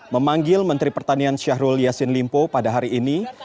memanggil menteri pertanian syahrul yassin limpo pada hari ini